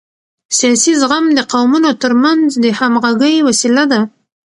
سیاسي زغم د قومونو ترمنځ د همغږۍ وسیله ده